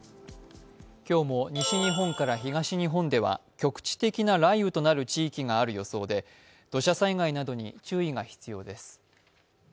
今日も西日本から東日本では局地的な雷雨となる地域がある予想で土砂災害などに注意が必要です。